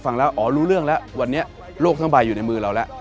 ฟังแล้วอ๋อรู้เรื่องแล้ววันนี้โลกทั้งใบอยู่ในมือเราแล้ว